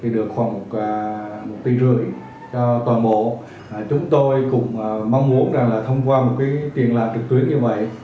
được khoảng một tỷ rưỡi cho tòa mộ chúng tôi cũng mong muốn thông qua một tiền lạc trực tuyến như vậy